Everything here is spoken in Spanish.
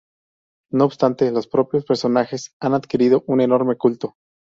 No obstante, los propios personajes han adquirido un enorme culto.